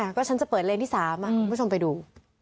ก็ฉันจะเปิดเลนที่๓คุณผู้ชมไปดู